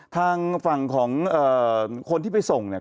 ทางฝั่งของคนที่ไปส่งเนี่ย